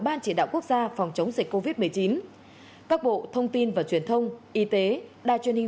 ban chỉ đạo quốc gia phòng chống dịch covid một mươi chín các bộ thông tin và truyền thông y tế đài truyền hình